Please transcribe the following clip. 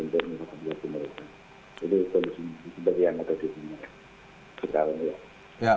jadi itu yang kita diberikan sekarang ya